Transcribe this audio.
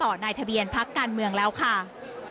ในทะเบียนพักการเมืองแล้วค่ะ